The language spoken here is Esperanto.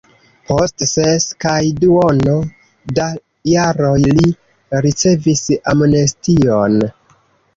Post ses kaj duono da jaroj li ricevis amnestion.